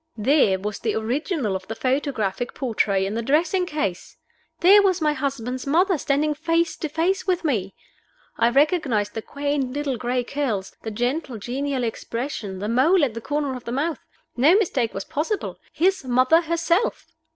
There was the original of the photographic portrait in the dressing case! there was my husband's mother, standing face to face with me! I recognized the quaint little gray curls, the gentle, genial expression, the mole at the corner of the mouth. No mistake was possible. His mother herself!